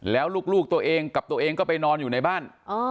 แล้วลูกตัวเองกับตัวเองก็ไปนอนอยู่ในบ้าน